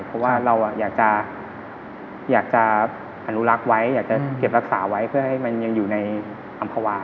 เพราะว่าเราอยากจะอนุรักษ์ไว้อยากจะเก็บรักษาไว้เพื่อให้มันยังอยู่ในอำภาวา